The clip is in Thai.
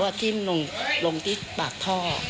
แต่ลงที่ปากท่อ